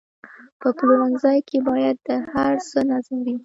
په پلورنځي کې باید د هر څه نظم وي.